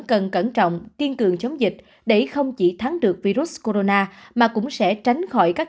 cần cẩn trọng kiên cường chống dịch để không chỉ thắng được virus corona mà cũng sẽ tránh khỏi các